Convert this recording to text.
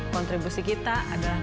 kontribusi kita adalah kepentingan